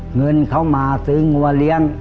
ไปกู้เงินเขามาซื้องวลเลี้ยง